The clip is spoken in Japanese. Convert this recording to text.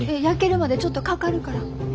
焼けるまでちょっとかかるから。